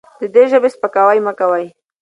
د دې ژبې سپکاوی مه کوئ.